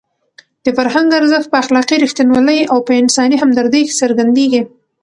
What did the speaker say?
د فرهنګ ارزښت په اخلاقي رښتینولۍ او په انساني همدردۍ کې څرګندېږي.